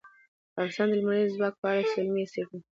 افغانستان د لمریز ځواک په اړه علمي څېړنې لري.